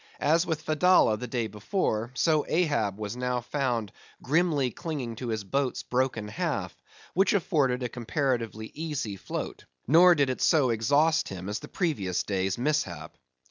As with Fedallah the day before, so Ahab was now found grimly clinging to his boat's broken half, which afforded a comparatively easy float; nor did it so exhaust him as the previous day's mishap.